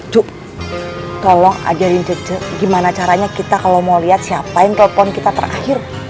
cu tolong ajarin jeje gimana caranya kita kalau mau lihat siapa yang telepon kita terakhir